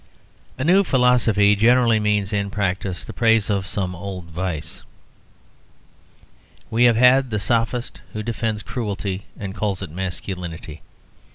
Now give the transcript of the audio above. A new philosophy generally means in practice the praise of some old vice. We have had the sophist who defends cruelty, and calls it masculinity.